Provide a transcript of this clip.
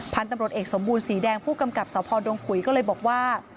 พันธุ์ตำรวจเอกสมบูรณสีแดงผู้กำกับสพดงขุยก็เลยบอกว่า